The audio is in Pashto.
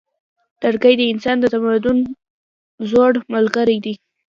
لرګی د انسان د تمدن زوړ ملګری دی.